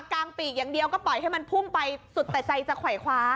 งปีกอย่างเดียวก็ปล่อยให้มันพุ่งไปสุดแต่ใจจะไขวคว้า